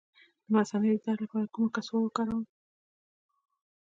د مثانې د درد لپاره کومه کڅوړه وکاروم؟